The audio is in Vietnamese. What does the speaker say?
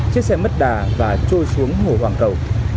chiếc xe mất đà và trôi xuống hồ hoàng cầu